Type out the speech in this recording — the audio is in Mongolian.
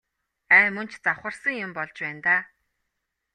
Ай мөн ч завхарсан юм болж байна даа.